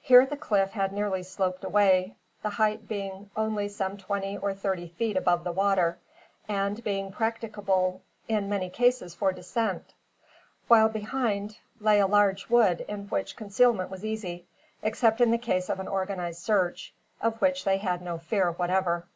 Here the cliff had nearly sloped away, the height being only some twenty or thirty feet above the water, and being practicable in many cases for descent; while behind lay a large wood in which concealment was easy, except in the case of an organized search, of which they had no fear, whatever.